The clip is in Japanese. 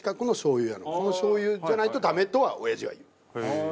このしょう油じゃないとダメとはおやじは言う。